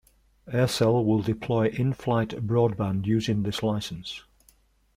Aircell will deploy in-flight broadband using this license.